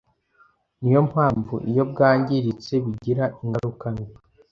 niyo mpamvu iyo bwangiritse bigira ingaruka mbi